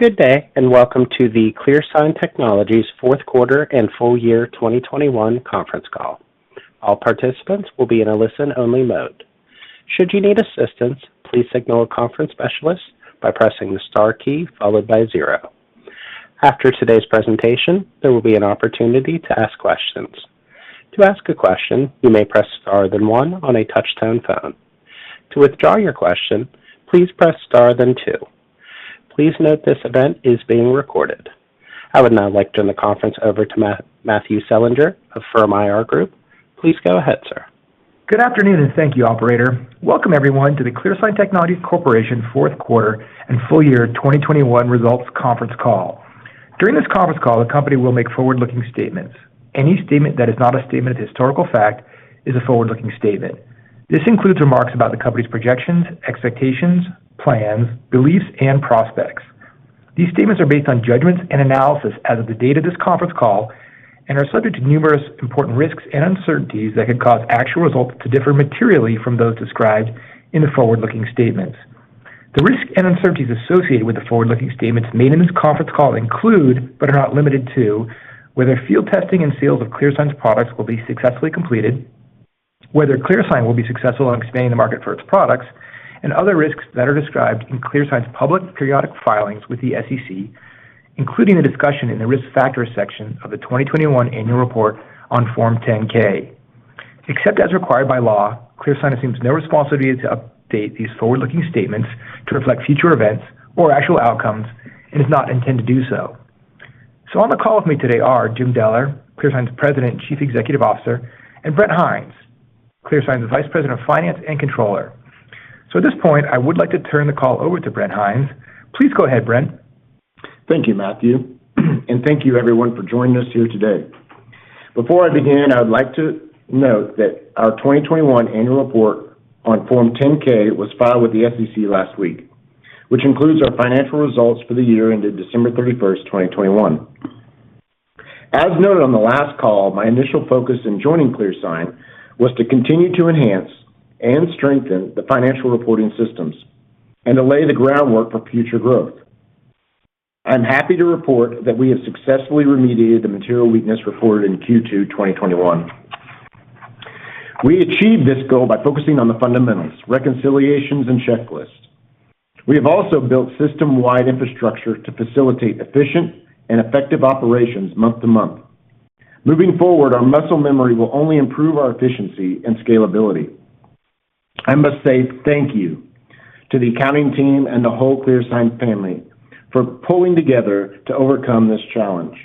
Good day, and welcome to the ClearSign Technologies Fourth Quarter and Full Year 2021 Conference Call. All participants will be in a listen-only mode. Should you need assistance, please signal a conference specialist by pressing the star key followed by zero. After today's presentation, there will be an opportunity to ask questions. To ask a question, you may press star then one on a touch-tone phone. To withdraw your question, please press star then two. Please note this event is being recorded. I would now like to turn the conference over to Matthew Selinger of Firm IR Group. Please go ahead, sir. Good afternoon, and thank you, operator. Welcome everyone to the ClearSign Technologies Corporation Fourth Quarter and Full Year 2021 Results Conference Call. During this conference call, the company will make forward-looking statements. Any statement that is not a statement of historical fact is a forward-looking statement. This includes remarks about the company's projections, expectations, plans, beliefs, and prospects. These statements are based on judgments and analysis as of the date of this conference call and are subject to numerous important risks and uncertainties that could cause actual results to differ materially from those described in the forward-looking statements. The risks and uncertainties associated with the forward-looking statements made in this conference call include, but are not limited to, whether field testing and sales of ClearSign's products will be successfully completed, whether ClearSign will be successful in expanding the market for its products, and other risks that are described in ClearSign's public periodic filings with the SEC, including the discussion in the Risk Factors section of the 2021 annual report on Form 10-K. Except as required by law, ClearSign assumes no responsibility to update these forward-looking statements to reflect future events or actual outcomes and does not intend to do so. On the call with me today are Jim Deller, ClearSign's President and Chief Executive Officer, and Brent Hinds, ClearSign's Vice President of Finance and Controller. At this point, I would like to turn the call over to Brent Hinds. Please go ahead, Brent. Thank you, Matthew, and thank you everyone for joining us here today. Before I begin, I would like to note that our 2021 annual report on Form 10-K was filed with the SEC last week, which includes our financial results for the year ended December 31, 2021. As noted on the last call, my initial focus in joining ClearSign was to continue to enhance and strengthen the financial reporting systems and to lay the groundwork for future growth. I'm happy to report that we have successfully remediated the material weakness reported in Q2 2021. We achieved this goal by focusing on the fundamentals, reconciliations, and checklists. We have also built system-wide infrastructure to facilitate efficient and effective operations month to month. Moving forward, our muscle memory will only improve our efficiency and scalability. I must say thank you to the accounting team and the whole ClearSign family for pulling together to overcome this challenge.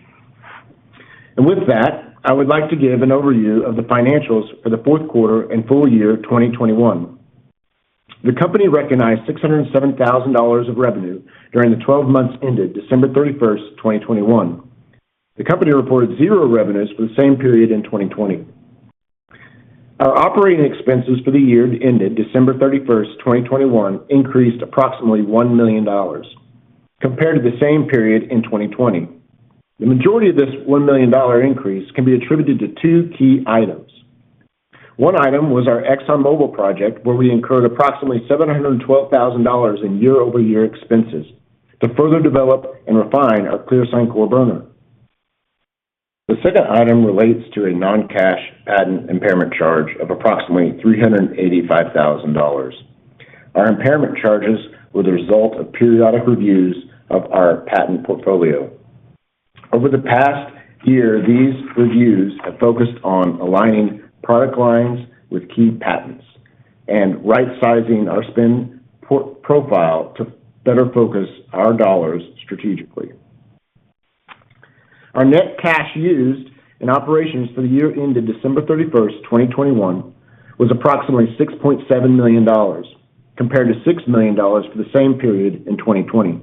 With that, I would like to give an overview of the financials for the fourth quarter and full year 2021. The company recognized $607 thousand of revenue during the 12 months ended December 31, 2021. The company reported zero revenues for the same period in 2020. Our operating expenses for the year that ended December 31, 2021 increased approximately $1 million compared to the same period in 2020. The majority of this $1 million increase can be attributed to two key items. One item was our ExxonMobil project where we incurred approximately $712 thousand in year-over-year expenses to further develop and refine our ClearSign Core burner. The second item relates to a non-cash patent impairment charge of approximately $385,000. Our impairment charges were the result of periodic reviews of our patent portfolio. Over the past year, these reviews have focused on aligning product lines with key patents and right sizing our spend pro-profile to better focus our dollars strategically. Our net cash used in operations for the year ended December 31, 2021 was approximately $6.7 million compared to $6 million for the same period in 2020.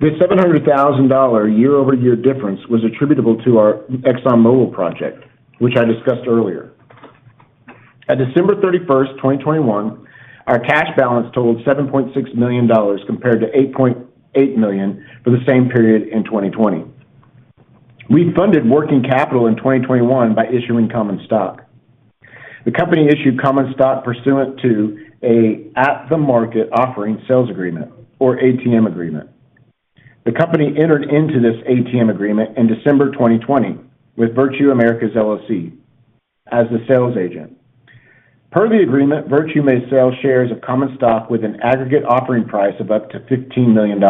This $700,000 year-over-year difference was attributable to our ExxonMobil project, which I discussed earlier. At December 31, 2021, our cash balance totaled $7.6 million compared to $8.8 million for the same period in 2020. We funded working capital in 2021 by issuing common stock. The company issued common stock pursuant to an at-the-market offering sales agreement or ATM agreement. The company entered into this ATM agreement in December 2020 with Virtu Americas LLC as the sales agent. Per the agreement, Virtu may sell shares of common stock with an aggregate offering price of up to $15 million.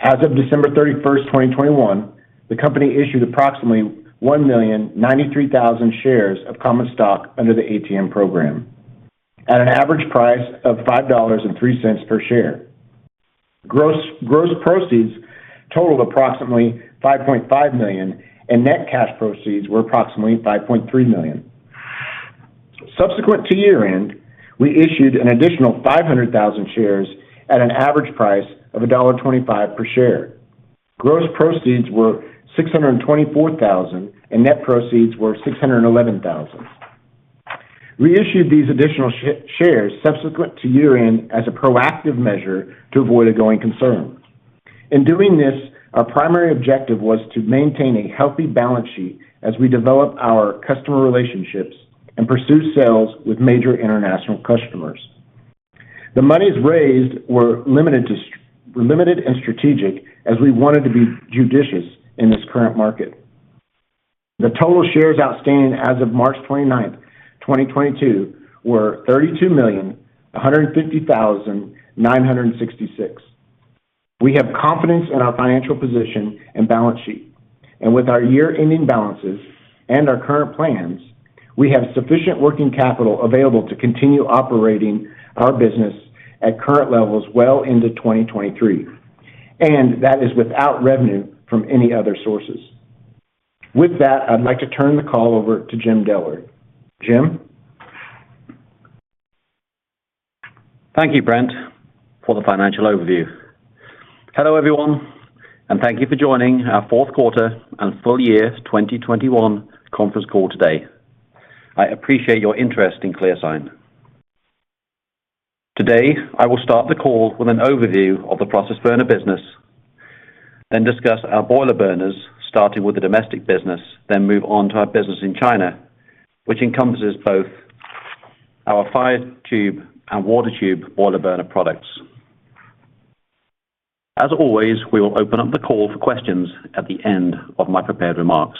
As of December 31, 2021, the company issued approximately 1,093,000 shares of common stock under the ATM program at an average price of $5.03 per share. Gross proceeds totaled approximately $5.5 million and net cash proceeds were approximately $5.3 million. Subsequent to year-end, we issued an additional 500,000 shares at an average price of $1.25 per share. Gross proceeds were $624,000, and net proceeds were $611,000. We issued these additional shares subsequent to year-end as a proactive measure to avoid a going concern. In doing this, our primary objective was to maintain a healthy balance sheet as we develop our customer relationships and pursue sales with major international customers. The monies raised were limited and strategic as we wanted to be judicious in this current market. The total shares outstanding as of March 29, 2022 were 32,150,966. We have confidence in our financial position and balance sheet, and with our year-ending balances and our current plans, we have sufficient working capital available to continue operating our business at current levels well into 2023, and that is without revenue from any other sources. With that, I'd like to turn the call over to Jim Deller. Jim? Thank you, Brent, for the financial overview. Hello, everyone, and thank you for joining our fourth quarter and full year 2021 conference call today. I appreciate your interest in ClearSign. Today, I will start the call with an overview of the process burner business, then discuss our boiler burners, starting with the domestic business, then move on to our business in China, which encompasses both our fire tube and water tube boiler burner products. As always, we will open up the call for questions at the end of my prepared remarks.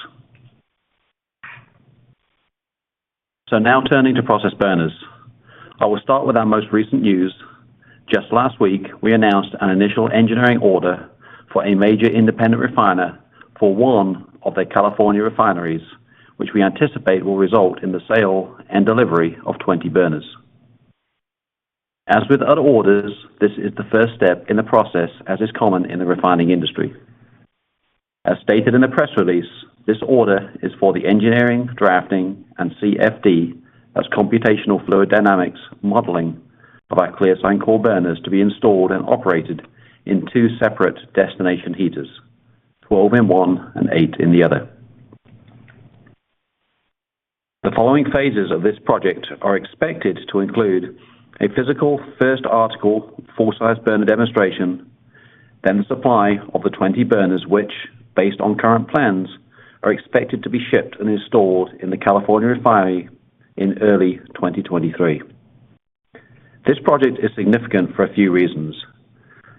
Now turning to process burners. I will start with our most recent news. Just last week, we announced an initial engineering order for a major independent refiner for one of their California refineries, which we anticipate will result in the sale and delivery of 20 burners. As with other orders, this is the first step in the process, as is common in the refining industry. As stated in the press release, this order is for the engineering, drafting, and CFD, that's computational fluid dynamics, modeling of our ClearSign Core burners to be installed and operated in two separate distillation heaters, 12 in one and eight in the other. The following phases of this project are expected to include a physical first article full-size burner demonstration, then the supply of the 20 burners which, based on current plans, are expected to be shipped and installed in the California refinery in early 2023. This project is significant for a few reasons.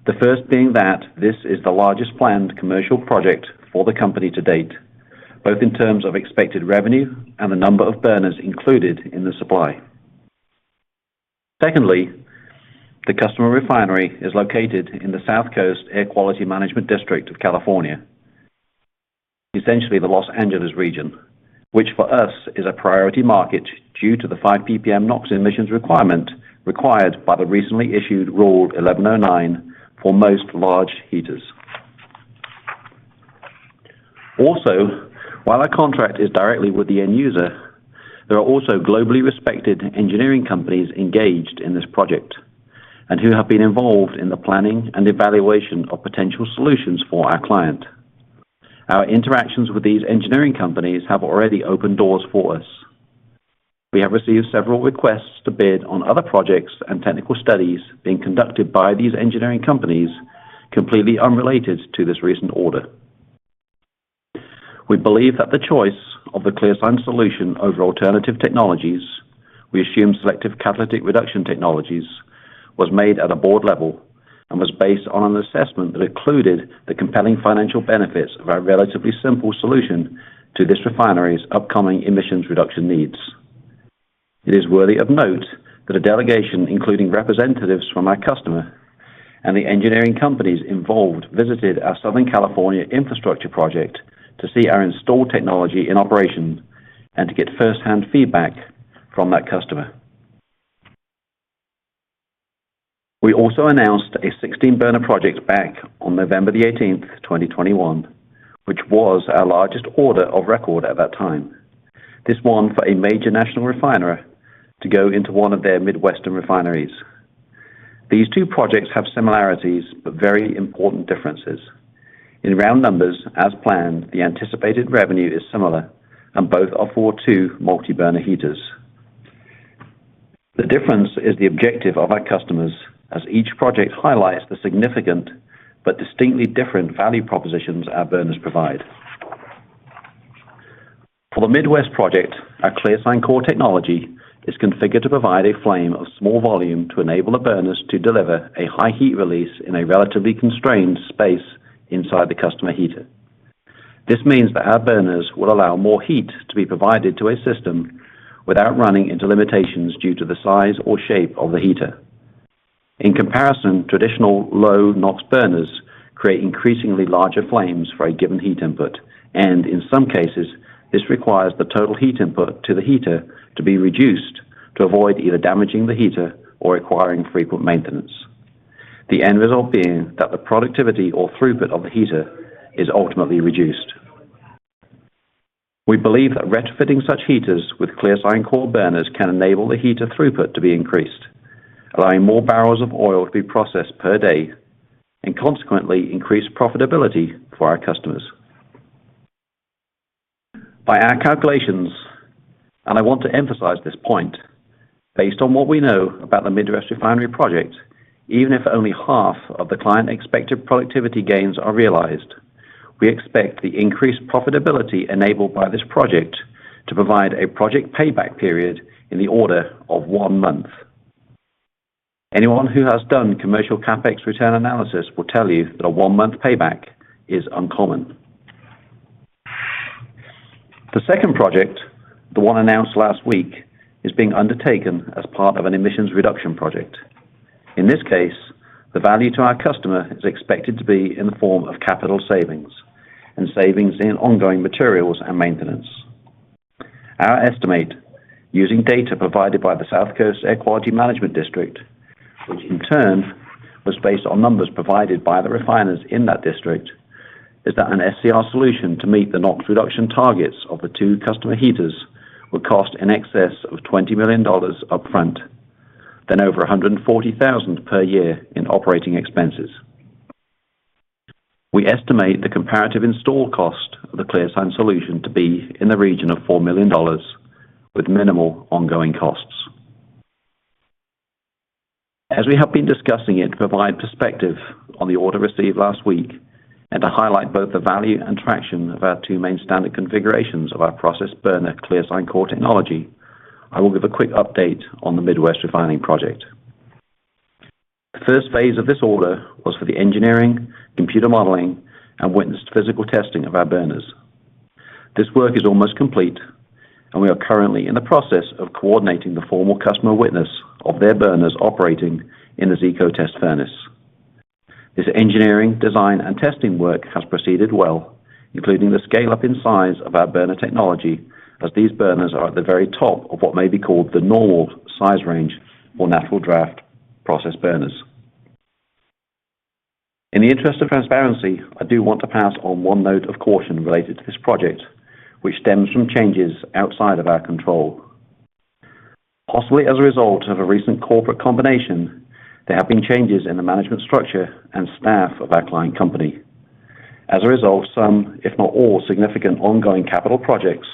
The first being that this is the largest planned commercial project for the company to date, both in terms of expected revenue and the number of burners included in the supply. Secondly, the customer refinery is located in the South Coast Air Quality Management District of California, essentially the Los Angeles region, which for us is a priority market due to the 5 PPM NOx emissions requirement required by the recently issued Rule 1109 for most large heaters. Also, while our contract is directly with the end user, there are also globally respected engineering companies engaged in this project and who have been involved in the planning and evaluation of potential solutions for our client. Our interactions with these engineering companies have already opened doors for us. We have received several requests to bid on other projects and technical studies being conducted by these engineering companies completely unrelated to this recent order. We believe that the choice of the ClearSign solution over alternative technologies, we assume selective catalytic reduction technologies, was made at a board level and was based on an assessment that included the compelling financial benefits of our relatively simple solution to this refinery's upcoming emissions reduction needs. It is worthy of note that a delegation, including representatives from our customer and the engineering companies involved, visited our Southern California infrastructure project to see our installed technology in operation and to get first-hand feedback from that customer. We also announced a 16-Burner project back on November 18, 2021, which was our largest order of record at that time. This one for a major national refiner to go into one of their Midwestern refineries. These two projects have similarities but very important differences. In round numbers, as planned, the anticipated revenue is similar and both are for two multi-burner heaters. The difference is the objective of our customers as each project highlights the significant but distinctly different value propositions our burners provide. For the Midwest project, our ClearSign Core technology is configured to provide a flame of small volume to enable the burners to deliver a high heat release in a relatively constrained space inside the customer heater. This means that our burners will allow more heat to be provided to a system without running into limitations due to the size or shape of the heater. In comparison, traditional low NOx burners create increasingly larger flames for a given heat input, and in some cases, this requires the total heat input to the heater to be reduced to avoid either damaging the heater or requiring frequent maintenance. The end result being that the productivity or throughput of the heater is ultimately reduced. We believe that retrofitting such heaters with ClearSign Core burners can enable the heater throughput to be increased, allowing more barrels of oil to be processed per day, and consequently increase profitability for our customers. By our calculations, and I want to emphasize this point, based on what we know about the Midwest Refinery project, even if only half of the client expected productivity gains are realized, we expect the increased profitability enabled by this project to provide a project payback period in the order of one month. Anyone who has done commercial CapEx return analysis will tell you that a one-month payback is uncommon. The second project, the one announced last week, is being undertaken as part of an emissions reduction project. In this case, the value to our customer is expected to be in the form of capital savings and savings in ongoing materials and maintenance. Our estimate, using data provided by the South Coast Air Quality Management District, which in turn was based on numbers provided by the refiners in that district, is that an SCR solution to meet the NOx reduction targets of the two customer heaters would cost in excess of $20 million up front, then over $140,000 per year in operating expenses. We estimate the comparative install cost of the ClearSign solution to be in the region of $4 million with minimal ongoing costs. As we have been discussing it to provide perspective on the order received last week and to highlight both the value and traction of our two main standard configurations of our process burner ClearSign Core technology, I will give a quick update on the Midwest Refining project. The first phase of this order was for the engineering, computer modeling, and witnessed physical testing of our burners. This work is almost complete, and we are currently in the process of coordinating the formal customer witness of our burners operating in the Zeeco test furnace. This engineering, design, and testing work has proceeded well, including the scale-up in size of our burner technology as these burners are at the very top of what may be called the normal size range for natural draft process burners. In the interest of transparency, I do want to pass on one note of caution related to this project, which stems from changes outside of our control. Possibly as a result of a recent corporate combination, there have been changes in the management structure and staff of our client company. As a result, some, if not all, significant ongoing capital projects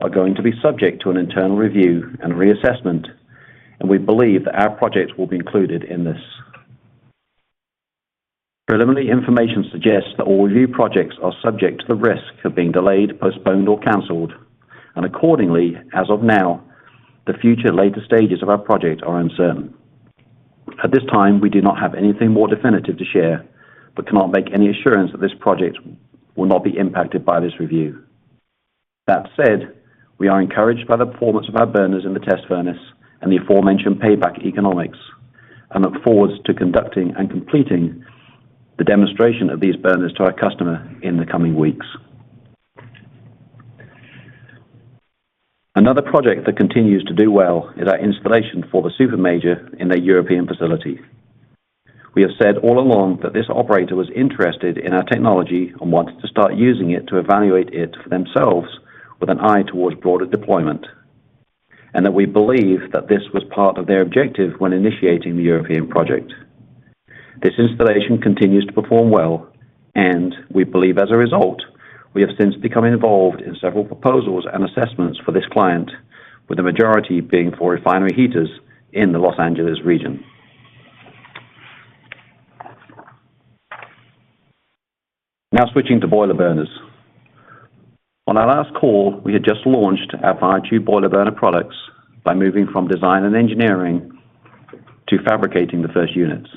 are going to be subject to an internal review and reassessment, and we believe that our project will be included in this. Preliminary information suggests that all review projects are subject to the risk of being delayed, postponed, or canceled, and accordingly, as of now, the future later stages of our project are uncertain. At this time, we do not have anything more definitive to share, but cannot make any assurance that this project will not be impacted by this review. That said, we are encouraged by the performance of our burners in the test furnace and the aforementioned payback economics and look forward to conducting and completing the demonstration of these burners to our customer in the coming weeks. Another project that continues to do well is our installation for the super major in their European facility. We have said all along that this operator was interested in our technology and wanted to start using it to evaluate it for themselves with an eye towards broader deployment, and that we believe that this was part of their objective when initiating the European project. This installation continues to perform well, and we believe as a result, we have since become involved in several proposals and assessments for this client, with the majority being for refinery heaters in the Los Angeles region. Now switching to boiler burners. On our last call, we had just launched our Fire Tube boiler burner products by moving from design and engineering to fabricating the first units.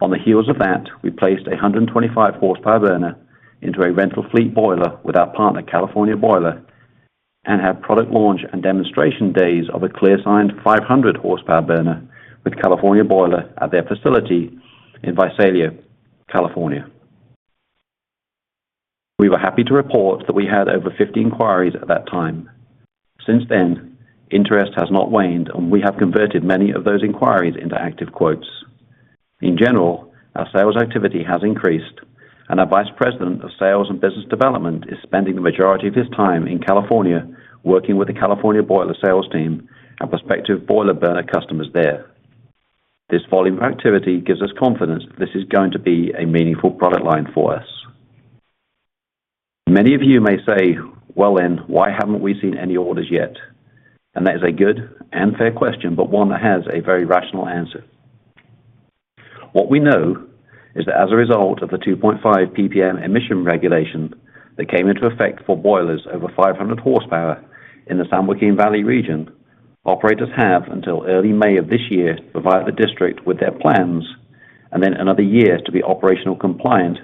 On the heels of that, we placed a 125-horsepower burner into a rental fleet boiler with our partner, California Boiler, and have product launch and demonstration days of a ClearSign 500-horsepower burner with California Boiler at their facility in Visalia, California. We were happy to report that we had over 50 inquiries at that time. Since then, interest has not waned, and we have converted many of those inquiries into active quotes. In general, our sales activity has increased, and our vice president of sales and business development is spending the majority of his time in California working with the California Boiler sales team and prospective boiler burner customers there. This volume of activity gives us confidence this is going to be a meaningful product line for us. Many of you may say, "Well then, why haven't we seen any orders yet?" That is a good and fair question, but one that has a very rational answer. What we know is that as a result of the 2.5 PPM emission regulation that came into effect for boilers over 500 horsepower in the San Joaquin Valley region, operators have until early May of this year to provide the district with their plans, and then another year to be operationally compliant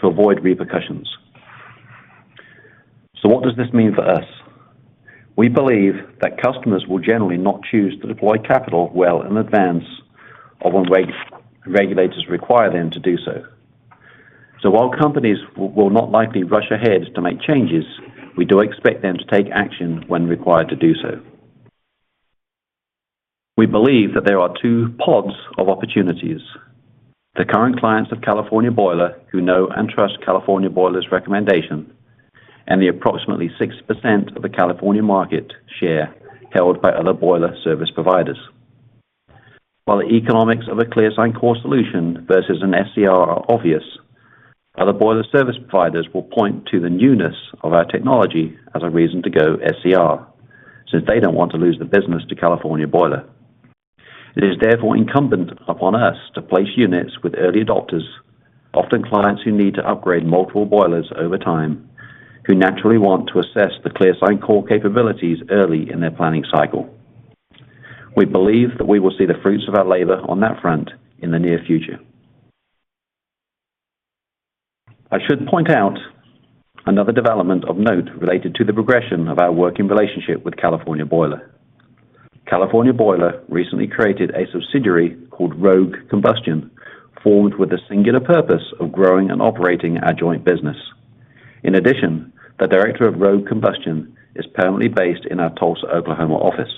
to avoid repercussions. What does this mean for us? We believe that customers will generally not choose to deploy capital well in advance of when regulators require them to do so. While companies will not likely rush ahead to make changes, we do expect them to take action when required to do so. We believe that there are two pods of opportunities, the current clients of California Boiler who know and trust California Boiler's recommendation, and the approximately 6% of the California market share held by other boiler service providers. While the economics of a ClearSign Core solution versus an SCR are obvious, other boiler service providers will point to the newness of our technology as a reason to go SCR, since they don't want to lose the business to California Boiler. It is therefore incumbent upon us to place units with early adopters, often clients who need to upgrade multiple boilers over time, who naturally want to assess the ClearSign Core capabilities early in their planning cycle. We believe that we will see the fruits of our labor on that front in the near future. I should point out another development of note related to the progression of our working relationship with California Boiler. California Boiler recently created a subsidiary called Rogue Combustion, formed with the singular purpose of growing and operating our joint business. In addition, the director of Rogue Combustion is permanently based in our Tulsa, Oklahoma office.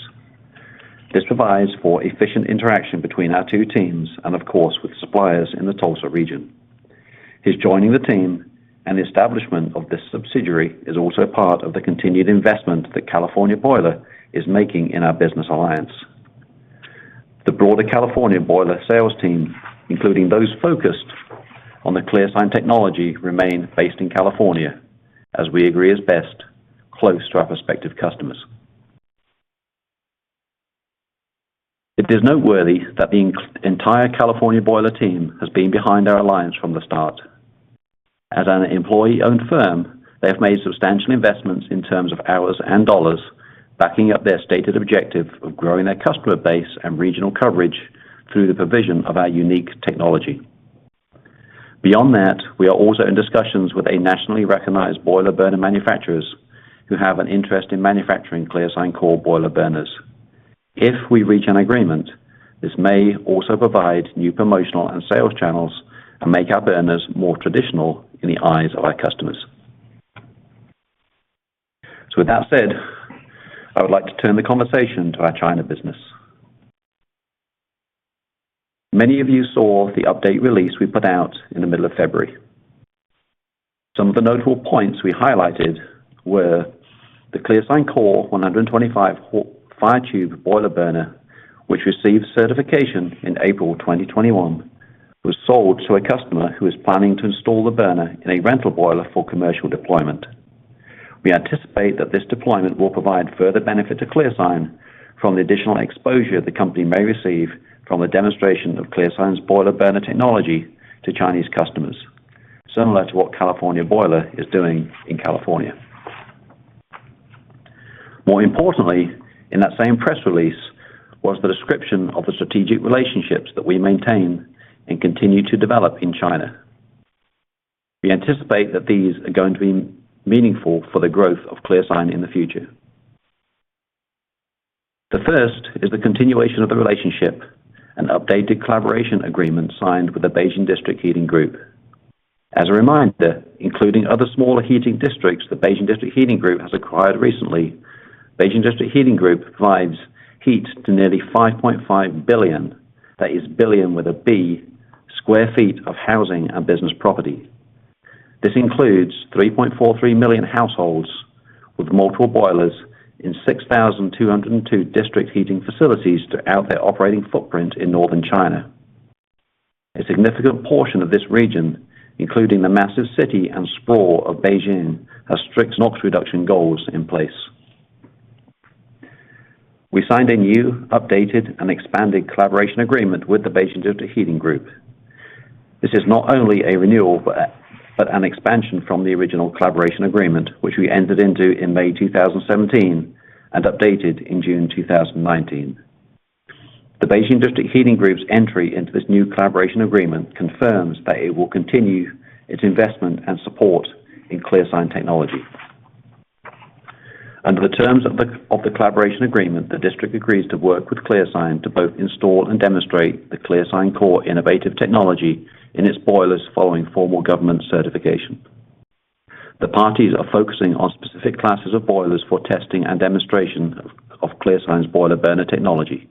This provides for efficient interaction between our two teams and of course, with suppliers in the Tulsa region. His joining the team and establishment of this subsidiary is also part of the continued investment that California Boiler is making in our business alliance. The broader California Boiler sales team, including those focused on the ClearSign technology, remain based in California as we agree is best close to our prospective customers. It is noteworthy that the entire California Boiler team has been behind our alliance from the start. As an employee-owned firm, they have made substantial investments in terms of hours and dollars, backing up their stated objective of growing their customer base and regional coverage through the provision of our unique technology. Beyond that, we are also in discussions with a nationally recognized boiler burner manufacturers who have an interest in manufacturing ClearSign Core boiler burners. If we reach an agreement, this may also provide new promotional and sales channels and make our burners more traditional in the eyes of our customers. With that said, I would like to turn the conversation to our China business. Many of you saw the update release we put out in the middle of February. Some of the notable points we highlighted were the ClearSign Core 125 fire tube boiler burner, which received certification in April 2021, was sold to a customer who is planning to install the burner in a rental boiler for commercial deployment. We anticipate that this deployment will provide further benefit to ClearSign from the additional exposure the company may receive from a demonstration of ClearSign's boiler burner technology to Chinese customers, similar to what California Boiler is doing in California. More importantly, in that same press release was the description of the strategic relationships that we maintain and continue to develop in China. We anticipate that these are going to be meaningful for the growth of ClearSign in the future. The first is the continuation of the relationship and updated collaboration agreement signed with the Beijing District Heating Group. As a reminder, including other smaller heating districts that Beijing District Heating Group has acquired recently, Beijing District Heating Group provides heat to nearly 5.5 billion, that is billion with a B, sq ft of housing and business property. This includes 3.43 million households with multiple boilers in 6,202 district heating facilities throughout their operating footprint in Northern China. A significant portion of this region, including the massive city and sprawl of Beijing, has strict NOx reduction goals in place. We signed a new, updated and expanded collaboration agreement with the Beijing District Heating Group. This is not only a renewal but an expansion from the original collaboration agreement, which we entered into in May 2017 and updated in June 2019. The Beijing District Heating Group's entry into this new collaboration agreement confirms that it will continue its investment and support in ClearSign Technology. Under the terms of the collaboration agreement, the district agrees to work with ClearSign to both install and demonstrate the ClearSign Core innovative technology in its boilers following formal government certification. The parties are focusing on specific classes of boilers for testing and demonstration of ClearSign's boiler burner technology.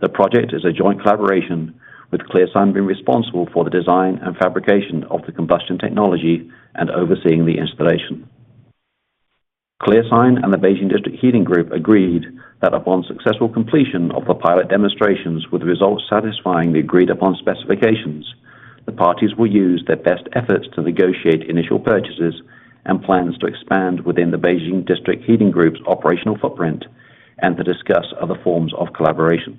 The project is a joint collaboration with ClearSign being responsible for the design and fabrication of the combustion technology and overseeing the installation. ClearSign and the Beijing District Heating Group agreed that upon successful completion of the pilot demonstrations with the results satisfying the agreed-upon specifications, the parties will use their best efforts to negotiate initial purchases and plans to expand within the Beijing District Heating Group's operational footprint and to discuss other forms of collaboration.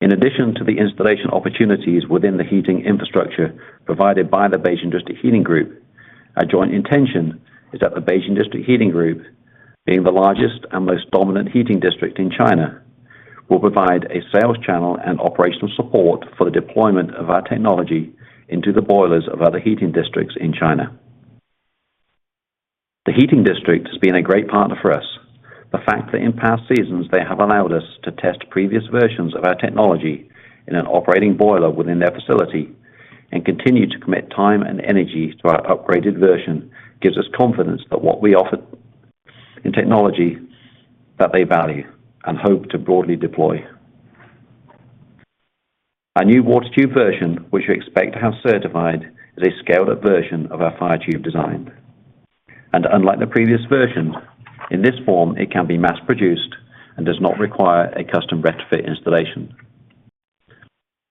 In addition to the installation opportunities within the heating infrastructure provided by the Beijing District Heating Group, our joint intention is that the Beijing District Heating Group, being the largest and most dominant heating district in China, will provide a sales channel and operational support for the deployment of our technology into the boilers of other heating districts in China. The Heating District has been a great partner for us. The fact that in past seasons, they have allowed us to test previous versions of our technology in an operating boiler within their facility and continue to commit time and energy to our upgraded version gives us confidence that what we offer in technology that they value and hope to broadly deploy. Our new water tube version, which we expect to have certified, is a scaled-up version of our fire tube design. Unlike the previous version, in this form, it can be mass-produced and does not require a custom retrofit installation.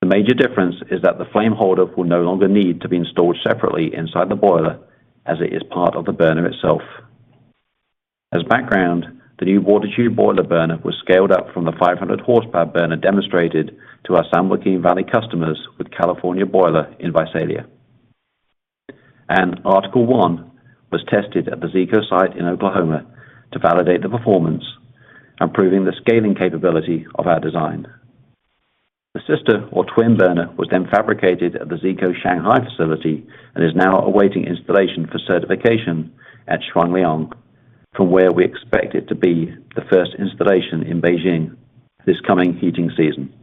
The major difference is that the flame holder will no longer need to be installed separately inside the boiler as it is part of the burner itself. As background, the new water tube boiler burner was scaled up from the 500 horsepower burner demonstrated to our San Joaquin Valley customers with California Boiler in Visalia. Article One was tested at the Zeeco site in Oklahoma to validate the performance and proving the scaling capability of our design. The sister or twin burner was then fabricated at the Zeeco Shanghai facility and is now awaiting installation for certification at Shuangliang, from where we expect it to be the first installation in Beijing this coming heating season.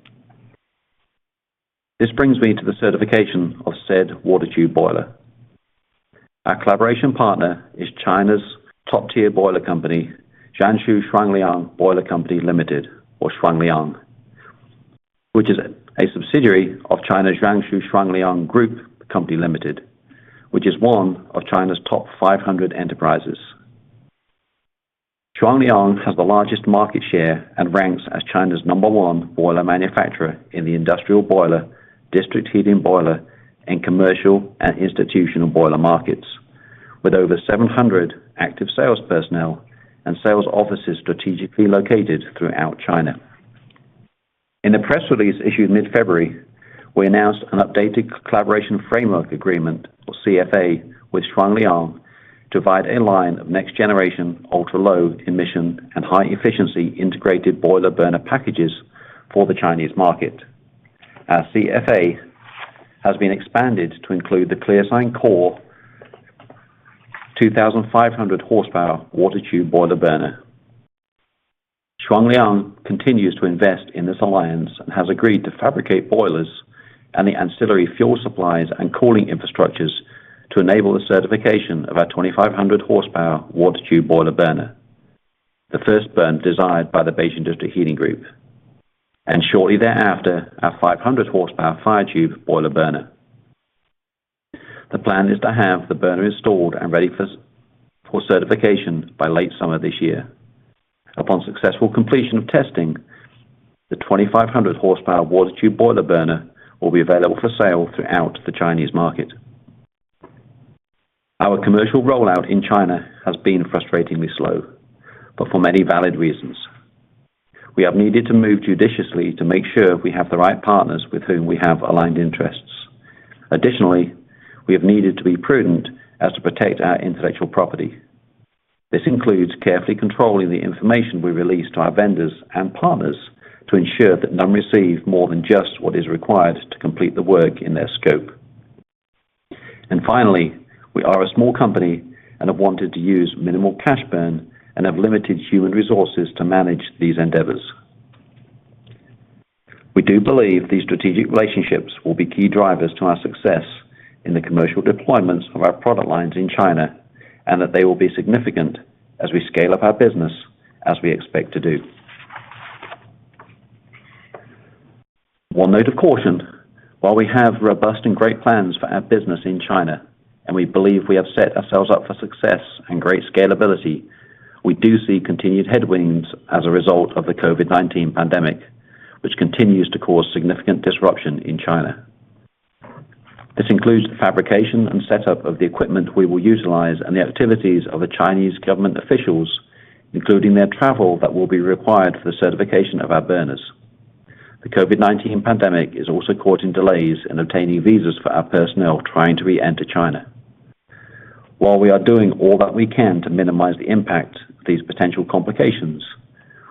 This brings me to the certification of said water tube boiler. Our collaboration partner is China's top-tier boiler company, Jiangsu Shuangliang Boiler Co., Ltd. or Shuangliang, which is a subsidiary of China's Jiangsu Shuangliang Group Co., Ltd., which is one of China's top 500 enterprises. Shuangliang has the largest market share and ranks as China's number one boiler manufacturer in the industrial boiler, district heating boiler, and commercial and institutional boiler markets, with over 700 active sales personnel and sales offices strategically located throughout China. In a press release issued mid-February, we announced an updated collaboration framework agreement or CFA with Shuangliang to provide a line of next-generation ultra-low emission and high-efficiency integrated boiler burner packages for the Chinese market. Our CFA has been expanded to include the ClearSign Core 2,500 horsepower water tube boiler burner. Shuangliang continues to invest in this alliance and has agreed to fabricate boilers and the ancillary fuel supplies and cooling infrastructures to enable the certification of our 2,500 horsepower water tube boiler burner, the first burner desired by the Beijing District Heating Group, and shortly thereafter, our 500 horsepower fire tube boiler burner. The plan is to have the burner installed and ready for certification by late summer this year. Upon successful completion of testing, the 2,500 horsepower water tube boiler burner will be available for sale throughout the Chinese market. Our commercial rollout in China has been frustratingly slow, but for many valid reasons. We have needed to move judiciously to make sure we have the right partners with whom we have aligned interests. Additionally, we have needed to be prudent as to protect our intellectual property. This includes carefully controlling the information we release to our vendors and partners to ensure that none receive more than just what is required to complete the work in their scope. Finally, we are a small company and have wanted to use minimal cash burn and have limited human resources to manage these endeavors. We do believe these strategic relationships will be key drivers to our success in the commercial deployments of our product lines in China, and that they will be significant as we scale up our business as we expect to do. One note of caution, while we have robust and great plans for our business in China, and we believe we have set ourselves up for success and great scalability, we do see continued headwinds as a result of the COVID-19 pandemic, which continues to cause significant disruption in China. This includes the fabrication and setup of the equipment we will utilize and the activities of the Chinese government officials, including their travel that will be required for the certification of our burners. The COVID-19 pandemic is also causing delays in obtaining visas for our personnel trying to re-enter China. While we are doing all that we can to minimize the impact of these potential complications,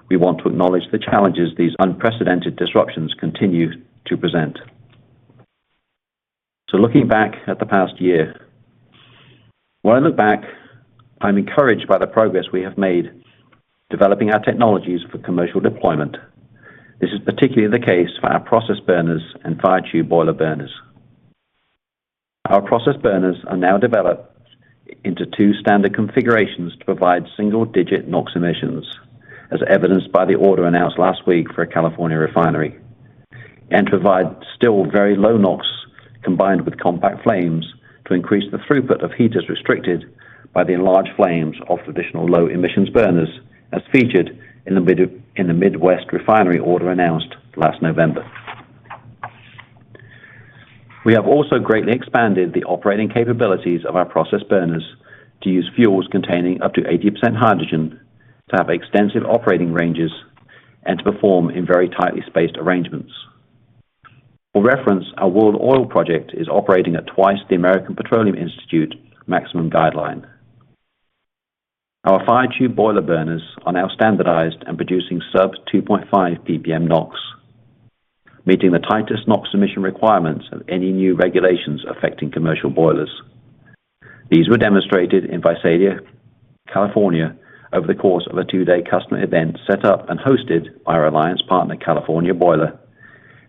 we want to acknowledge the challenges these unprecedented disruptions continue to present. Looking back at the past year, when I look back, I'm encouraged by the progress we have made developing our technologies for commercial deployment. This is particularly the case for our process burners and fire tube boiler burners. Our process burners are now developed into two standard configurations to provide single-digit NOx emissions, as evidenced by the order announced last week for a California refinery, and provide still very low NOx combined with compact flames to increase the throughput of heat as restricted by the enlarged flames of traditional low-emissions burners, as featured in the Midwest refinery order announced last November. We have also greatly expanded the operating capabilities of our process burners to use fuels containing up to 80% hydrogen, to have extensive operating ranges, and to perform in very tightly spaced arrangements. For reference, our World Oil project is operating at twice the American Petroleum Institute maximum guideline. Our fire tube boiler burners are now standardized and producing sub 2.5 PPM NOx, meeting the tightest NOx emission requirements of any new regulations affecting commercial boilers. These were demonstrated in Visalia, California over the course of a two-day customer event set up and hosted by our alliance partner, California Boiler,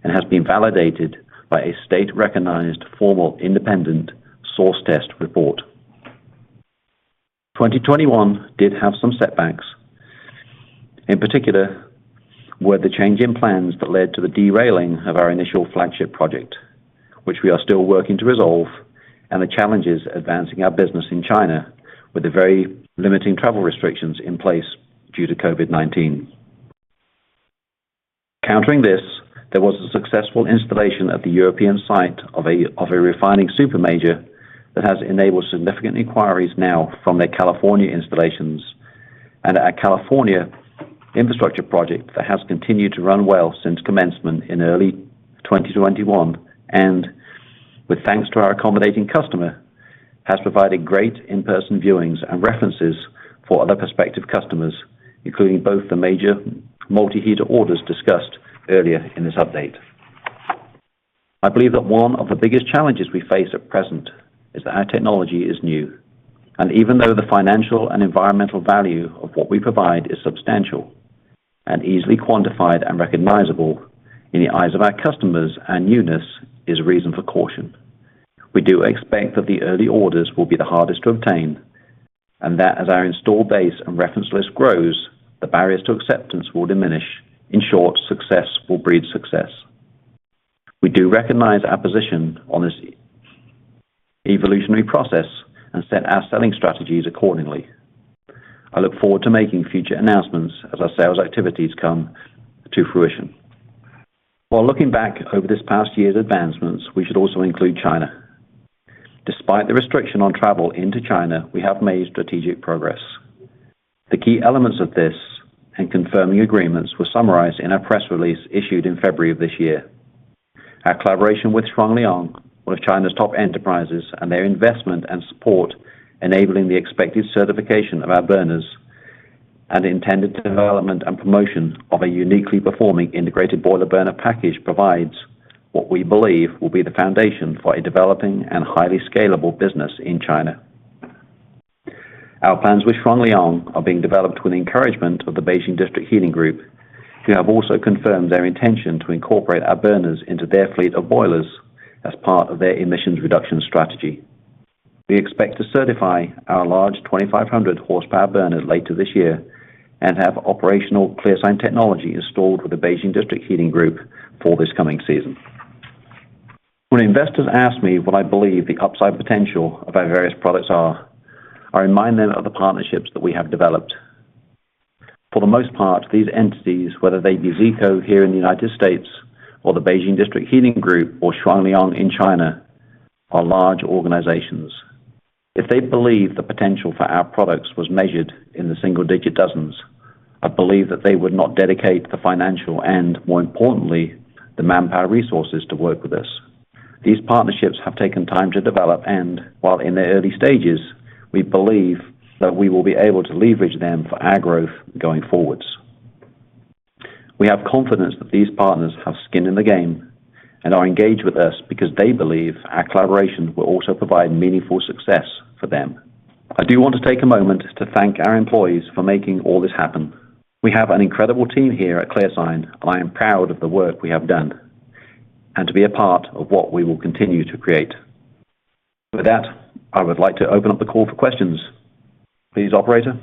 and has been validated by a state-recognized formal independent source test report. 2021 did have some setbacks. In particular, were the change in plans that led to the derailing of our initial flagship project, which we are still working to resolve, and the challenges advancing our business in China with the very limiting travel restrictions in place due to COVID-19. Countering this, there was a successful installation at the European site of a refining super major that has enabled significant inquiries now from their California installations and our California infrastructure project that has continued to run well since commencement in early 2021, and with thanks to our accommodating customer, has provided great in-person viewings and references for other prospective customers, including both the major multi-heater orders discussed earlier in this update. I believe that one of the biggest challenges we face at present is that our technology is new. Even though the financial and environmental value of what we provide is substantial and easily quantified and recognizable in the eyes of our customers and newness is reason for caution, we do expect that the early orders will be the hardest to obtain, and that as our install base and reference list grows, the barriers to acceptance will diminish. In short, success will breed success. We do recognize our position on this evolutionary process and set our selling strategies accordingly. I look forward to making future announcements as our sales activities come to fruition. While looking back over this past year's advancements, we should also include China. Despite the restriction on travel into China, we have made strategic progress. The key elements of this in confirming agreements were summarized in our press release issued in February of this year. Our collaboration with Shuangliang, one of China's top enterprises, and their investment and support enabling the expected certification of our burners and intended development and promotion of a uniquely performing integrated boiler burner package provides what we believe will be the foundation for a developing and highly scalable business in China. Our plans with Shuangliang are being developed with the encouragement of the Beijing District Heating Group, who have also confirmed their intention to incorporate our burners into their fleet of boilers as part of their emissions reduction strategy. We expect to certify our large 2,500-horsepower burners later this year and have operational ClearSign technology installed with the Beijing District Heating Group for this coming season. When investors ask me what I believe the upside potential of our various products are, I remind them of the partnerships that we have developed. For the most part, these entities, whether they be Zeeco here in the United States or the Beijing District Heating Group or Shuangliang in China, are large organizations. If they believe the potential for our products was measured in the single digit dozens, I believe that they would not dedicate the financial and, more importantly, the manpower resources to work with us. These partnerships have taken time to develop, and while in their early stages, we believe that we will be able to leverage them for our growth going forwards. We have confidence that these partners have skin in the game and are engaged with us because they believe our collaboration will also provide meaningful success for them. I do want to take a moment to thank our employees for making all this happen. We have an incredible team here at ClearSign, and I am proud of the work we have done and to be a part of what we will continue to create. With that, I would like to open up the call for questions. Please, operator?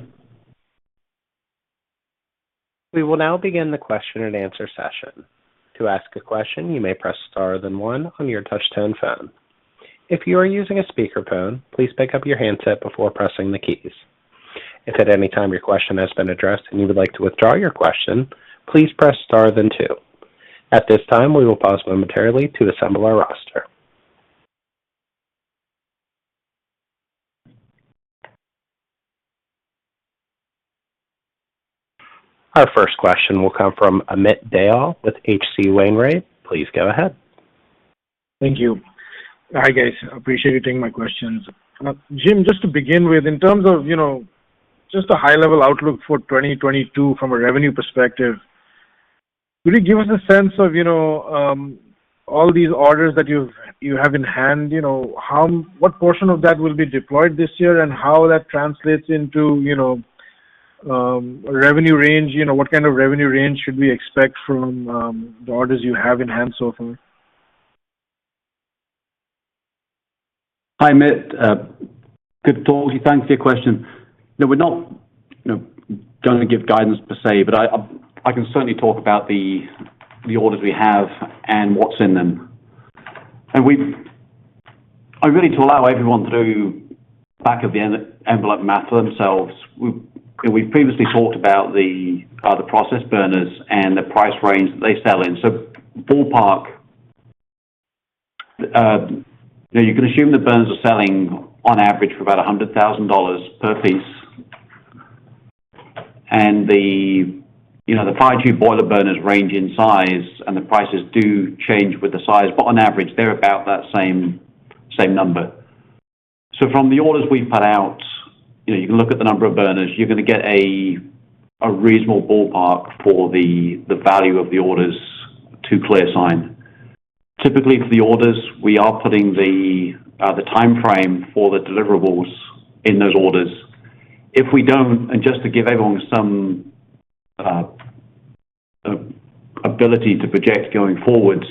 We will now begin the question and answer session. To ask a question, you may press Star then one on your touchtone phone. If you are using a speakerphone, please pick up your handset before pressing the keys. If at any time your question has been addressed and you would like to withdraw your question, please press Star then two. At this time, we will pause momentarily to assemble our roster. Our first question will come from Amit Dayal with H.C. Wainwright. Please go ahead. Thank you. Hi, guys. Appreciate you taking my questions. Jim, just to begin with, in terms of, you know, just a high-level outlook for 2022 from a revenue perspective, will you give us a sense of, you know, all these orders that you have in hand, you know, what portion of that will be deployed this year and how that translates into, you know, revenue range, you know, what kind of revenue range should we expect from the orders you have in hand so far? Hi, Amit. Good talking. Thanks for your question. No, we're not going to give guidance per se, but I can certainly talk about the orders we have and what's in them. I'm going to allow everyone to do back-of-the-envelope math for themselves. We previously talked about the process burners and the price range that they sell in. Ballpark, now you can assume the burners are selling on average for about $100,000 per piece. The fire tube boiler burners range in size, and the prices do change with the size, but on average, they're about that same number. From the orders we've put out, you can look at the number of burners. You're gonna get a reasonable ballpark for the value of the orders to ClearSign. Typically, for the orders, we are putting the timeframe for the deliverables in those orders. If we don't, and just to give everyone some ability to project going forwards,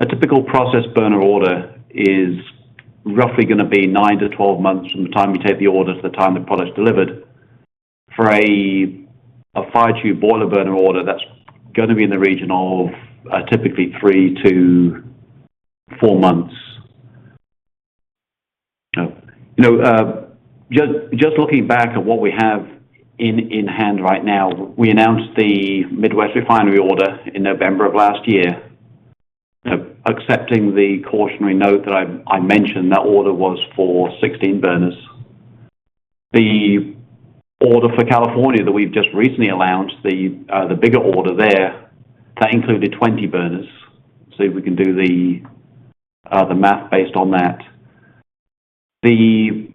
a typical process burner order is roughly gonna be nine to 12 months from the time you take the order to the time the product's delivered. For a fire tube boiler burner order, that's gonna be in the region of typically three to four months. You know, just looking back at what we have in hand right now, we announced the Midwest refinery order in November of last year. Accepting the cautionary note that I mentioned, that order was for 16 burners. The order for California that we've just recently announced, the bigger order there, that included 20 burners. If we can do the math based on that. The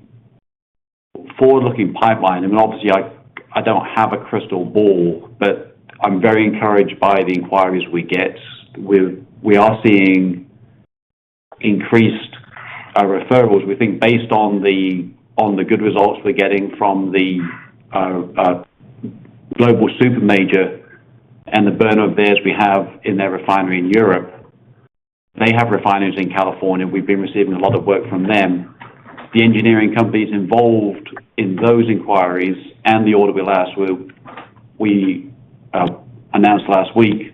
forward-looking pipeline. Obviously, I don't have a crystal ball, but I'm very encouraged by the inquiries we get. We are seeing increased referrals. We think based on the good results we're getting from the global super major and the burner of theirs we have in their refinery in Europe. They have refineries in California. We've been receiving a lot of work from them. The engineering companies involved in those inquiries and the order we announced last week,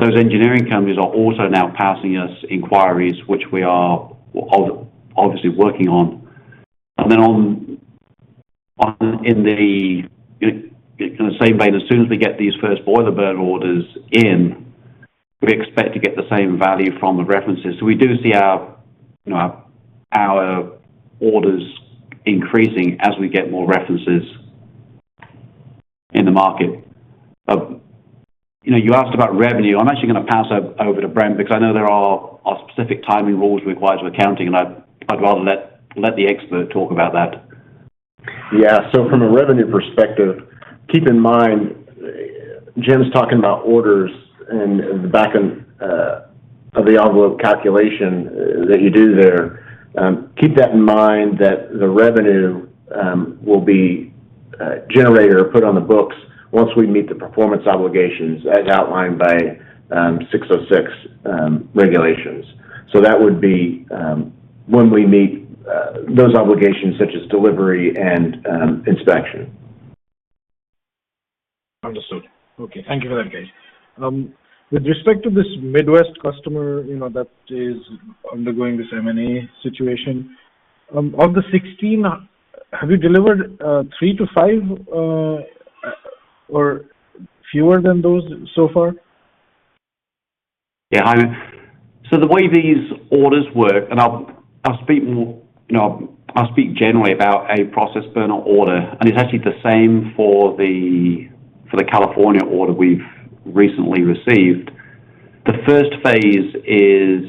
those engineering companies are also now passing us inquiries, which we are obviously working on. On in the same vein, as soon as we get these first boiler burner orders in, we expect to get the same value from the references. We do see our, you know, our orders increasing as we get more references in the market. You know, you asked about revenue. I'm actually gonna pass over to Brent because I know there are specific timing rules required for accounting, and I'd rather let the expert talk about that. Yeah. From a revenue perspective, keep in mind Jim's talking about orders and the back-of-the-envelope calculation that you do there. Keep that in mind that the revenue will be generated or put on the books once we meet the performance obligations as outlined by ASC 606 regulations. That would be when we meet those obligations such as delivery and inspection. Understood. Okay. Thank you for that, guys. With respect to this Midwest customer, you know, that is undergoing this M&A situation, of the 16, have you delivered three to five or fewer than those so far? The way these orders work, I'll speak more, you know, I'll speak generally about a process burner order, and it's actually the same for the California order we've recently received. The phase I is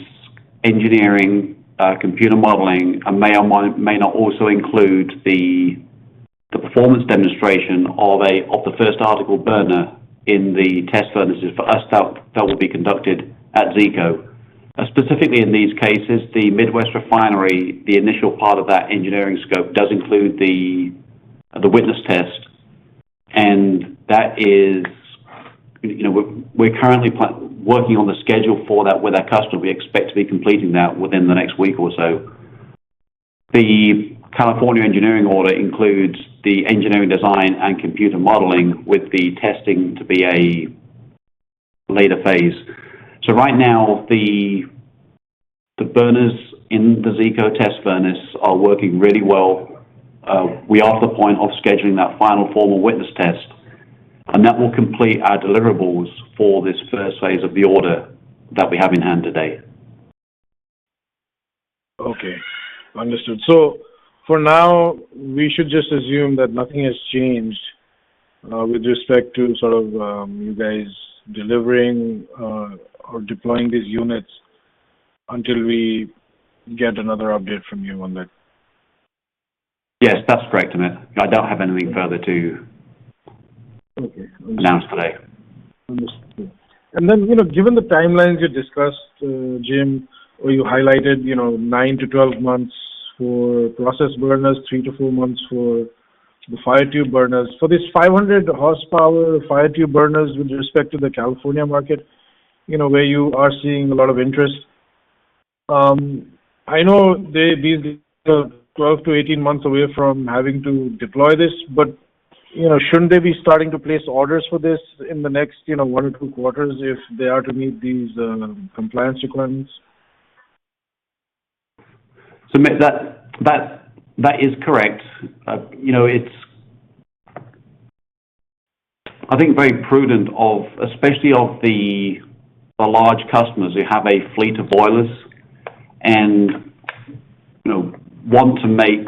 engineering, computer modeling. It may or may not also include the performance demonstration of the first article burner in the test furnaces. For us, that will be conducted at Zeeco. Specifically, in these cases, the Midwest refinery, the initial part of that engineering scope does include the witness test, and that is, you know, we're working on the schedule for that with our customer. We expect to be completing that within the next week or so. The California engineering order includes the engineering design and computer modeling with the testing to be a later phase. Right now, the burners in the Zeeco test furnace are working really well. We are at the point of scheduling that final formal witness test, and that will complete our deliverables for this first phase of the order that we have in hand today. Okay. Understood. For now, we should just assume that nothing has changed, with respect to sort of, you guys delivering, or deploying these units until we get another update from you on that. Yes, that's correct, Amit. I don't have anything further to Okay. Understood. announce today. Understood. Then, you know, given the timelines you discussed, Jim, where you highlighted, you know, nine to 12 months for process burners, three to four months for the fire tube burners. For these 500 horsepower fire tube burners with respect to the California market, you know, where you are seeing a lot of interest, I know they've been 12 to 18 months away from having to deploy this, but, you know, shouldn't they be starting to place orders for this in the next, you know, one or two quarters if they are to meet these compliance requirements? Amit, that is correct. You know, it's I think very prudent of, especially of the large customers who have a fleet of boilers and, you know, want to make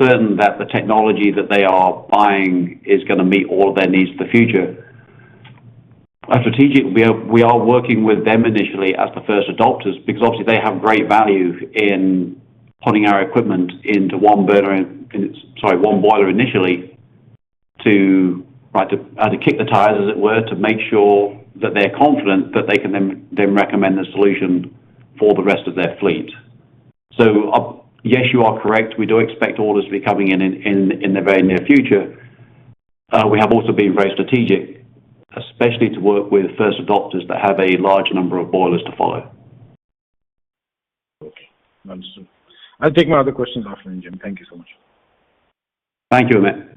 certain that the technology that they are buying is gonna meet all of their needs in the future. Strategic, we are working with them initially as the first adopters because obviously they have great value in putting our equipment into one burner and it's sorry, one boiler initially to kick the tires, as it were, to make sure that they're confident that they can then recommend the solution for the rest of their fleet. Yes, you are correct. We do expect orders to be coming in in the very near future. We have also been very strategic, especially to work with early adopters that have a large number of boilers to follow. Okay. Understood. I'll take my other questions offline, Jim. Thank you so much. Thank you, Amit.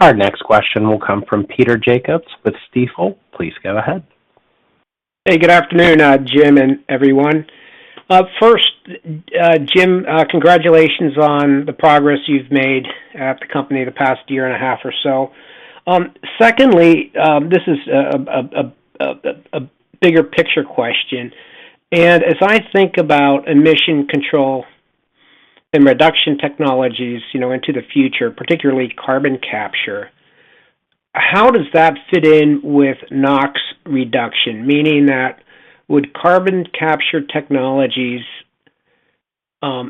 Our next question will come from Peter Jacobs with Stifel. Please go ahead. Hey, good afternoon, Jim and everyone. First, Jim, congratulations on the progress you've made at the company the past year and a half or so. Secondly, this is a bigger picture question. As I think about emission control and reduction technologies, you know, into the future, particularly carbon capture, how does that fit in with NOx reduction? Meaning that would carbon capture technologies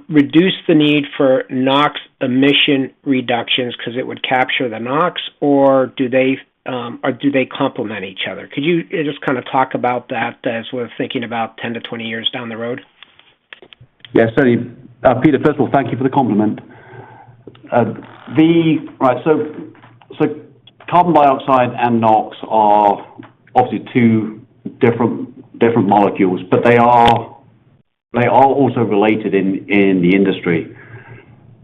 reduce the need for NOx emission reductions because it would capture the NOx, or do they complement each other? Could you just kinda talk about that as we're thinking about 10 to 20 years down the road? Yes, certainly. Peter, first of all, thank you for the compliment. Carbon dioxide and NOx are obviously two different molecules, but they are also related in the industry.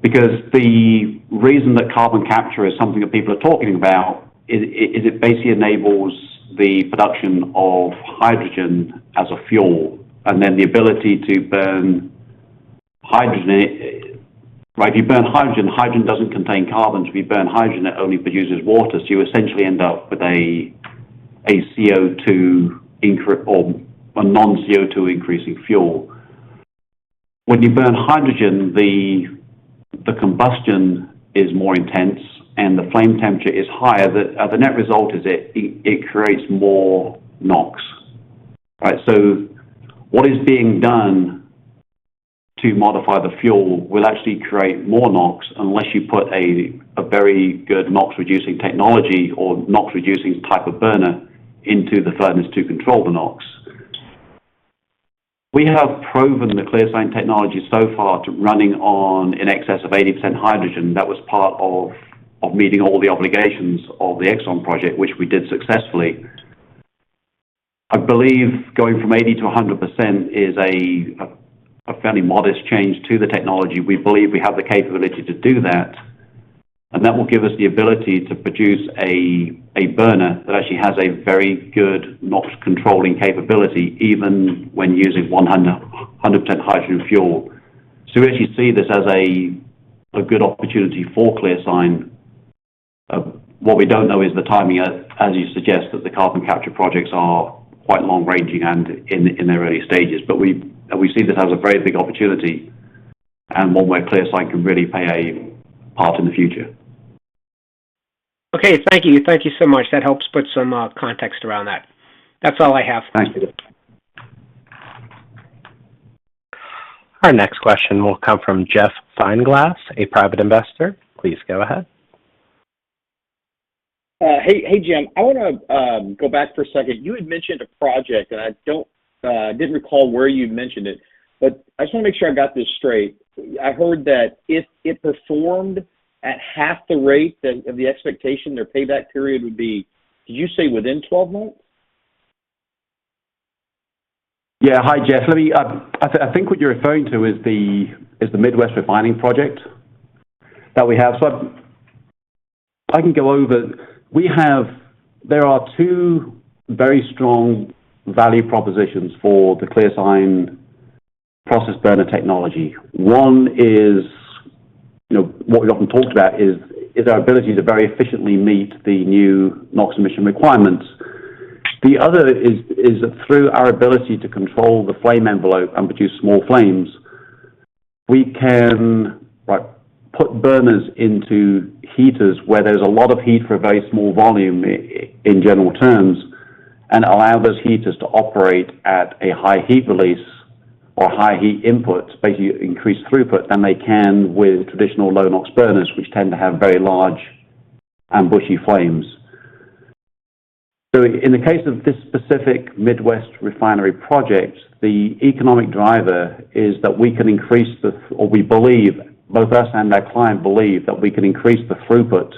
Because the reason that carbon capture is something that people are talking about is it basically enables the production of hydrogen as a fuel, and then the ability to burn hydrogen. If you burn hydrogen doesn't contain carbon. If you burn hydrogen, it only produces water, so you essentially end up with a non-CO2 increasing fuel. When you burn hydrogen, the combustion is more intense, and the flame temperature is higher. The net result is it creates more NOx. Right, what is being done to modify the fuel will actually create more NOx unless you put a very good NOx reducing technology or NOx reducing type of burner into the furnace to control the NOx. We have proven the ClearSign technology so far to running on in excess of 80% hydrogen. That was part of meeting all the obligations of the ExxonMobil project, which we did successfully. I believe going from 80 to 100% is a fairly modest change to the technology. We believe we have the capability to do that, and that will give us the ability to produce a burner that actually has a very good NOx controlling capability even when using 100% hydrogen fuel. We actually see this as a good opportunity for ClearSign. What we don't know is the timing, as you suggest, that the carbon capture projects are quite long ranging and in their early stages. We see this as a very big opportunity and one where ClearSign can really play a part in the future. Okay, thank you. Thank you so much. That helps put some context around that. That's all I have. Thanks, Peter. Our next question will come from Jeffrey Feinglas, a private investor. Please go ahead. Hey, Jim. I wanna go back for a second. You had mentioned a project, and I didn't recall where you mentioned it, but I just wanna make sure I got this straight. I heard that if it performed at half the rate of the expectation, their payback period would be, did you say, within 12 months? Yeah. Hi, Jeff. Let me, I think what you're referring to is the Midwest Refining project that we have. I can go over. There are two very strong value propositions for the ClearSign process burner technology. One is, you know, what we often talk about is our ability to very efficiently meet the new NOx emission requirements. The other is through our ability to control the flame envelope and produce small flames, we can, like, put burners into heaters where there's a lot of heat for a very small volume in general terms, and allow those heaters to operate at a high heat release or high heat input, basically increased throughput than they can with traditional low NOx burners, which tend to have very large and bushy flames. In the case of this specific Midwest Refinery project, the economic driver is that we believe, both us and our client believe, that we can increase the throughput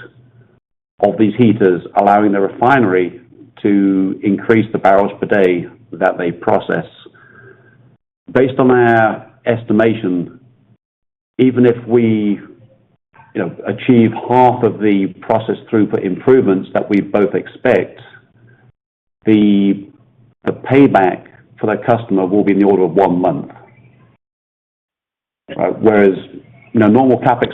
of these heaters, allowing the refinery to increase the barrels per day that they process. Based on our estimation, even if we, you know, achieve half of the process throughput improvements that we both expect, the payback for that customer will be in the order of one month. Whereas, you know, normal CapEx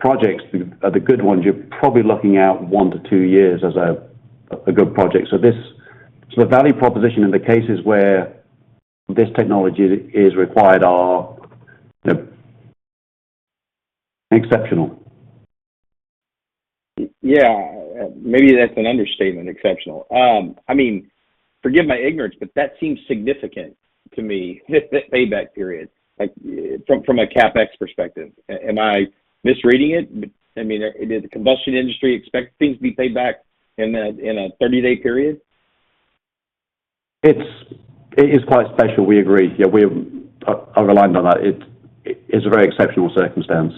projects are the good ones, you're probably looking out one to two years as a good project. The value proposition in the cases where this technology is required are exceptional. Yeah. Maybe that's an understatement, exceptional. I mean, forgive my ignorance, but that seems significant to me, the payback period, like, from a CapEx perspective. Am I misreading it? But I mean, does the combustion industry expect things to be paid back in a 30-day period? It is quite special. We agree. Yeah, we're aligned on that. It's a very exceptional circumstance.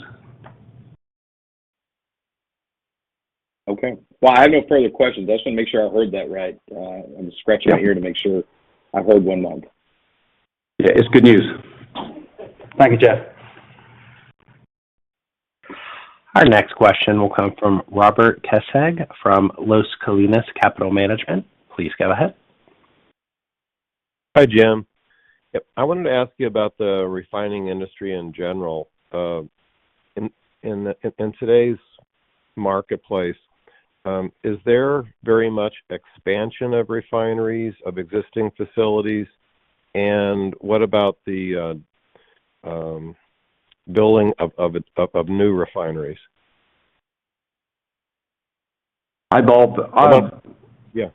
Okay. Well, I have no further questions. I just wanna make sure I heard that right. I'm scratching my ear. Yeah. To make sure I heard one month. Yeah, it's good news. Thank you, Jeff. Our next question will come from Robert Kecseg from Las Colinas Capital Management. Please go ahead. Hi, Jim. I wanted to ask you about the refining industry in general. In today's marketplace, is there very much expansion of refineries of existing facilities? What about the building of new refineries? Eyeball- Yeah.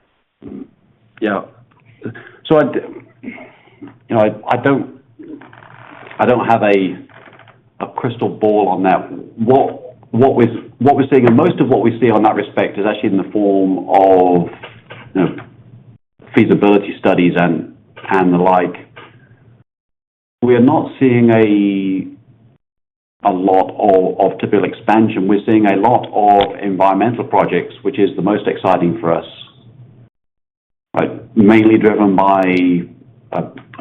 Yeah. You know, I don't have a crystal ball on that. What we're seeing and most of what we see in that respect is actually in the form of, you know, feasibility studies and the like. We are not seeing a lot of typical expansion. We're seeing a lot of environmental projects, which is the most exciting for us, but mainly driven by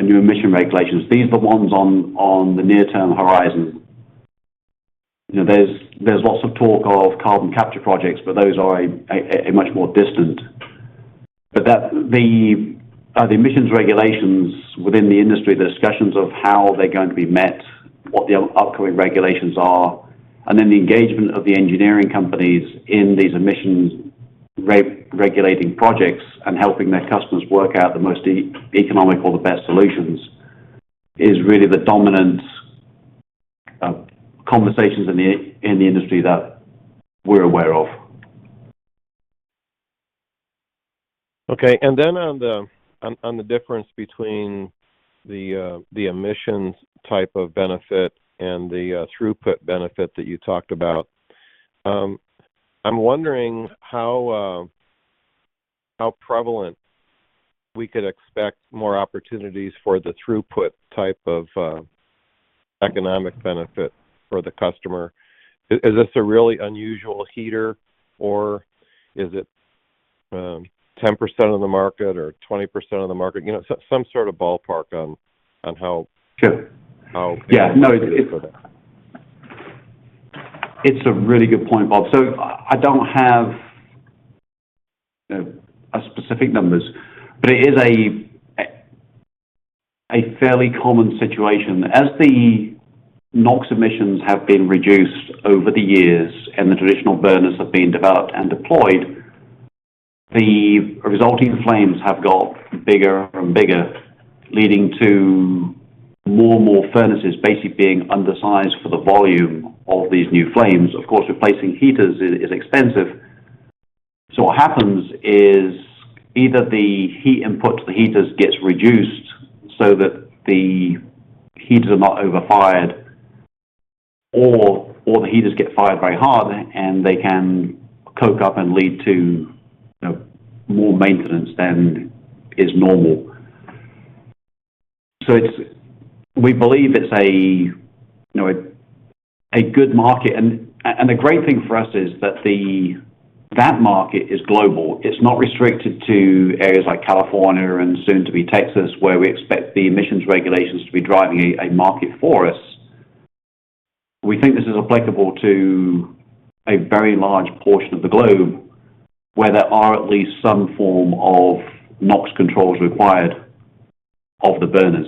new emission regulations. These are the ones on the near-term horizon. You know, there's lots of talk of carbon capture projects, but those are a much more distant. that the emissions regulations within the industry, the discussions of how they're going to be met, what the upcoming regulations are, and then the engagement of the engineering companies in these emissions regulating projects and helping their customers work out the most economical or the best solutions, is really the dominant conversations in the industry that we're aware of. Okay. On the difference between the emissions type of benefit and the throughput benefit that you talked about, I'm wondering how prevalent we could expect more opportunities for the throughput type of economic benefit for the customer. Is this a really unusual heater, or is it 10% of the market or 20% of the market? You know, so some sort of ballpark on how- Sure. How Yeah, no, it's a really good point, Bob. I don't have, you know, a specific numbers, but it is a fairly common situation. As the NOx emissions have been reduced over the years and the traditional burners have been developed and deployed, the resulting flames have got bigger and bigger, leading to more and more furnaces basically being undersized for the volume of these new flames. Of course, replacing heaters is expensive. What happens is either the heat input to the heaters gets reduced so that the heaters are not overfired or the heaters get fired very hard and they can coke up and lead to, you know, more maintenance than is normal. It's, we believe, you know, a good market. The great thing for us is that market is global. It's not restricted to areas like California and soon-to-be Texas, where we expect the emissions regulations to be driving a market for us. We think this is applicable to a very large portion of the globe where there are at least some form of NOx controls required of the burners.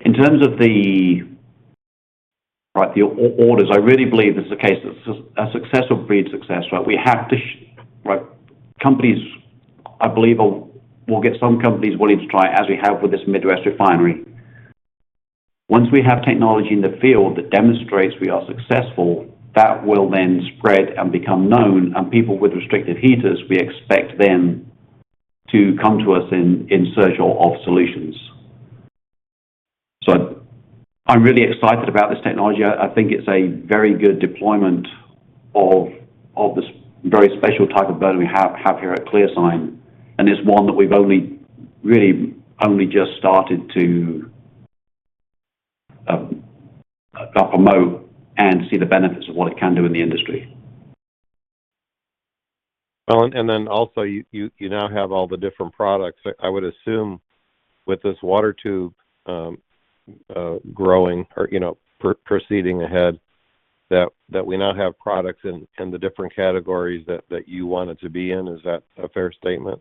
In terms of, like, the orders, I really believe this is a case of success breeds success, right? We have to right? Companies, I believe we'll get some companies willing to try as we have with this Midwest refinery. Once we have technology in the field that demonstrates we are successful, that will then spread and become known, and people with restricted heaters, we expect them to come to us in search of solutions. I'm really excited about this technology. I think it's a very good deployment of this very special type of burner we have here at ClearSign, and it's one that we've only really just started to promote and see the benefits of what it can do in the industry. Well, also you now have all the different products. I would assume with this water tube growing or, you know, proceeding ahead that we now have products in the different categories that you want it to be in. Is that a fair statement?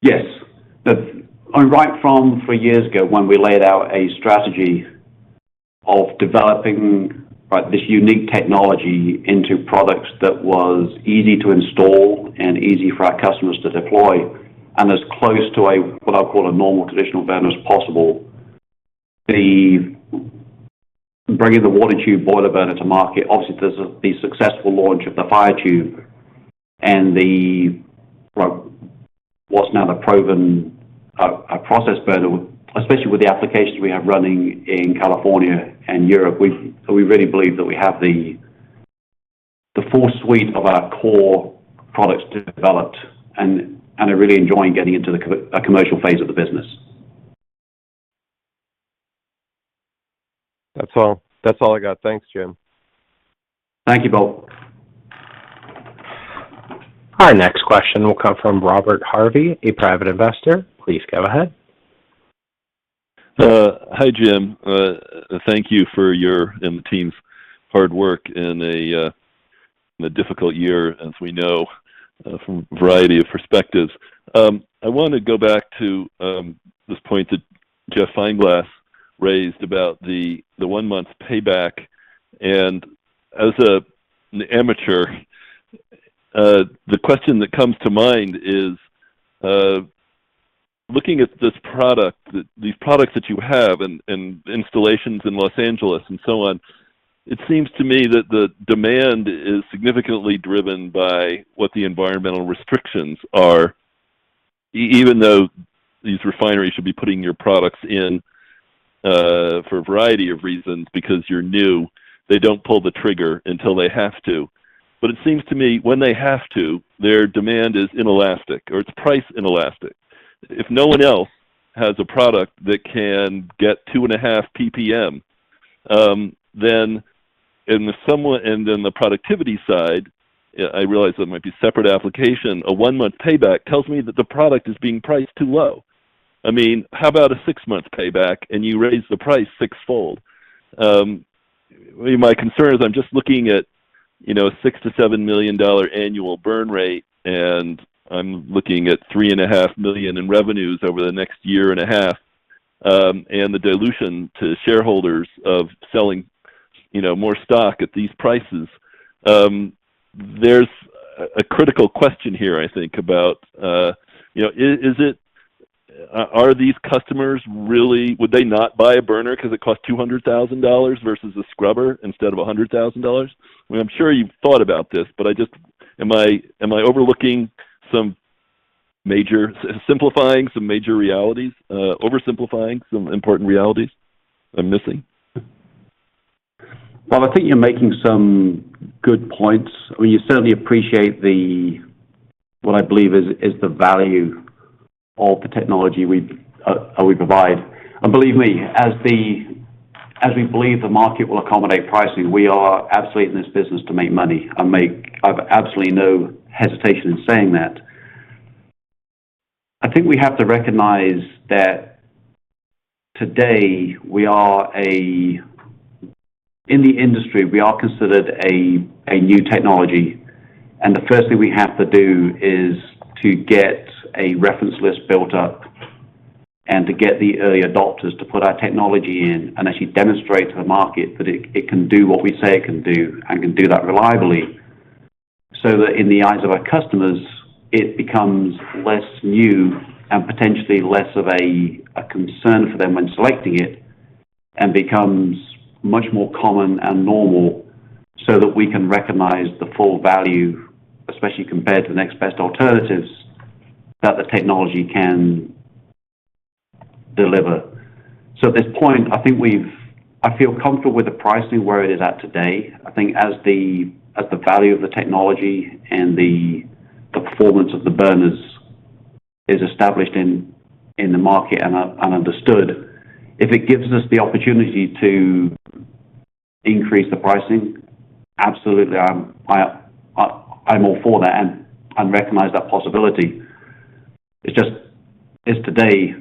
Yes. Right from four years ago when we laid out a strategy of developing, right, this unique technology into products that was easy to install and easy for our customers to deploy, and as close to a, what I'd call a normal traditional burner as possible. Bringing the water tube boiler burner to market, obviously there's the successful launch of the fire tube and the, well, what's now the proven process burner, especially with the applications we have running in California and Europe, so we really believe that we have the full suite of our core products developed and are really enjoying getting into the commercial phase of the business. That's all. That's all I got. Thanks, Jim. Thank you, Bob. Our next question will come from Robert Harvey, a private investor. Please go ahead. Hi, Jim. Thank you for your and the team's hard work in a difficult year, as we know, from a variety of perspectives. I wanna go back to this point that Jeffrey Feinglas raised about the one-month payback. As an amateur, the question that comes to mind is, looking at this product, these products that you have and installations in Los Angeles and so on, it seems to me that the demand is significantly driven by what the environmental restrictions are. Even though these refineries should be putting your products in, for a variety of reasons because you're new, they don't pull the trigger until they have to. It seems to me when they have to, their demand is inelastic or it's price inelastic. If no one else has a product that can get 2.5 PPM, then in the productivity side, I realize there might be separate application. A one-month payback tells me that the product is being priced too low. I mean, how about a six-month payback and you raise the price six-fold? My concern is I'm just looking at, you know, $6 million-$7 million annual burn rate, and I'm looking at $3.5 million in revenues over the next year and a half, and the dilution to shareholders of selling, you know, more stock at these prices. There's a critical question here, I think, about, you know, is it. Are these customers really. Would they not buy a burner 'cause it costs $200,000 versus a scrubber instead of $100,000? I mean, I'm sure you've thought about this, but am I oversimplifying some important realities I'm missing? Well, I think you're making some good points. Well, you certainly appreciate what I believe is the value of the technology we provide. Believe me, as we believe the market will accommodate pricing, we are absolutely in this business to make money. I've absolutely no hesitation in saying that. I think we have to recognize that today, in the industry, we are considered a new technology, and the first thing we have to do is to get a reference list built up and to get the early adopters to put our technology in and actually demonstrate to the market that it can do what we say it can do and can do that reliably. That in the eyes of our customers, it becomes less new and potentially less of a concern for them when selecting it and becomes much more common and normal so that we can recognize the full value, especially compared to the next best alternatives that the technology can deliver. At this point, I feel comfortable with the pricing where it is at today. I think as the value of the technology and the performance of the burners is established in the market and understood, if it gives us the opportunity to increase the pricing, absolutely, I'm all for that and recognize that possibility. It's just as of today,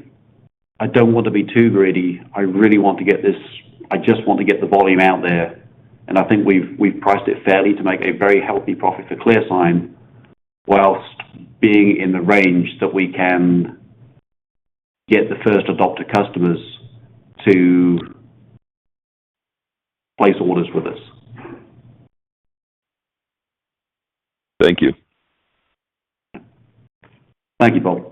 I don't want to be too greedy. I just want to get the volume out there. I think we've priced it fairly to make a very healthy profit for ClearSign while being in the range that we can get the first adopter customers to place orders with us. Thank you. Thank you, Bob.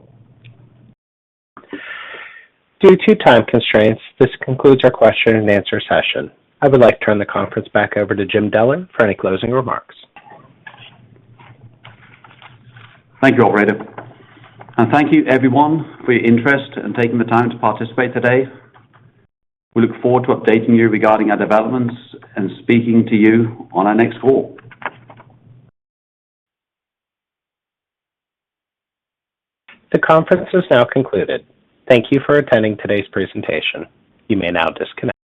Due to time constraints, this concludes our question and answer session. I would like to turn the conference back over to Jim Deller for any closing remarks. Thank you, operator. Thank you everyone for your interest and taking the time to participate today. We look forward to updating you regarding our developments and speaking to you on our next call. The conference is now concluded. Thank you for attending today's presentation. You may now disconnect.